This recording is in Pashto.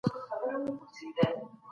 آیا په پخوانیو وختونو کي ښوونځي موجود وو؟